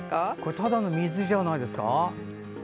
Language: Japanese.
ただの水じゃないですか？